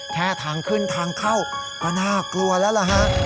แค่ทางขึ้นทางเข้าก็น่ากลัวแล้วล่ะฮะ